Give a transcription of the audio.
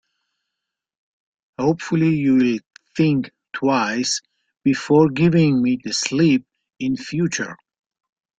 Hopefully, you'll think twice before giving me the slip in future.